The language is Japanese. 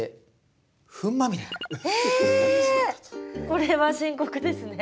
これは深刻ですね。